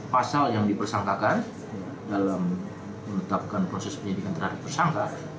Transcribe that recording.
pasal yang dipersangkakan dalam menetapkan proses penyidikan terhadap tersangka